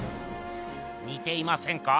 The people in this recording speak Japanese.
にていませんか？